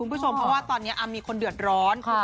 เพราะว่าตอนนี้มีคนเดือดร้อน